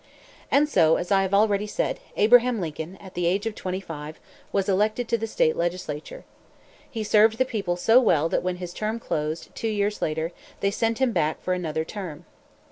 And so, as I have already said, Abraham Lincoln, at the age of twenty five, was elected to the state legislature. He served the people so well that when his term closed, two years later, they sent him back for another term.